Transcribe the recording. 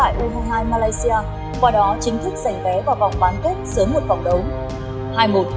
u hai mươi hai việt nam đã đánh bại u hai mươi hai malaysia qua đó chính thức giành vé vào vòng bán kết sớm một vòng đấu